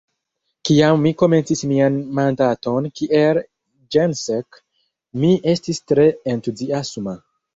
Kiam mi komencis mian mandaton kiel ĜenSek, mi estis tre entuziasma.